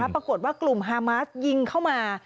ปรากฏว่ากลุ่มฮามาสยิงเข้ามา